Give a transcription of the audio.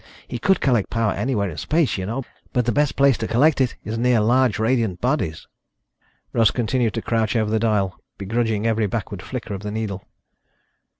He could collect power anywhere in space, you know, but the best place to collect it is near large radiant bodies." Russ continued to crouch over the dial, begrudging every backward flicker of the needle.